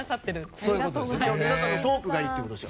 皆さんのトークがいいってことです。